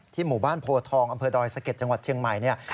ที่หมู่บ้านโพธองอดอยสะเก็ตจังหวัดเชียงใหม่